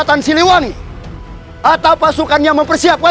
kita bergerak saat kokok ayam pertama